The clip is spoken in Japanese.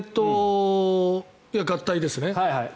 合体ですね。